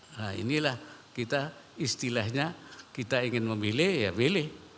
nah inilah kita istilahnya kita ingin memilih ya pilih